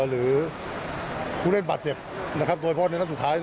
หรือผู้เล่นบาดเจ็บนะครับโดยเฉพาะในนัดสุดท้าย